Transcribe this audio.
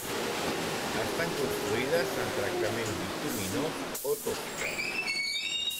Estan construïdes amb tractament bituminós o tosca.